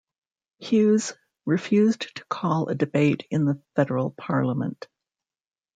Hughes refused to call a debate in the Federal parliament.